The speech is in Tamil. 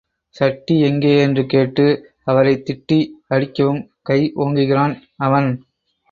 சட்டி எங்கே என்று கேட்டு, அவரைத் திட்டி அடிக்கவும் கை ஓங்குகிறான் அவன்.